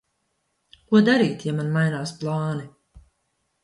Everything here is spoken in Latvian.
Ko darīt, ja man mainās plāni?